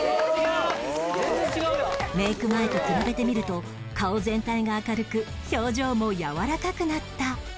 メイク前と比べてみると顔全体が明るく表情もやわらかくなった